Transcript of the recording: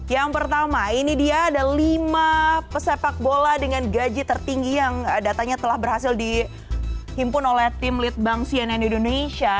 yang pertama ini dia ada lima pesepak bola dengan gaji tertinggi yang datanya telah berhasil dihimpun oleh tim lead bank cnn indonesia